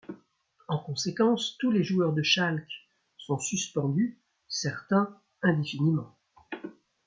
En conséquence tous les joueurs de Schalke sont suspendus, certains indéfiniment.